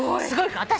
すごいか。